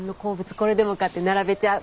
これでもかって並べちゃう。